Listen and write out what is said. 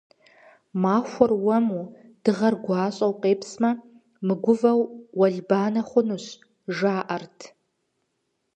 Махуэр уэму дыгъэр гуащӀэу къепсмэ, мыгувэу уэлбанэ хъунущ, жаӀэрт.